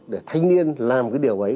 để thanh niên làm cái điều ấy